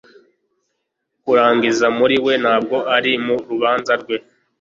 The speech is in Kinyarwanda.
Kurangiza muri we ntabwo ari mu rubanza rwe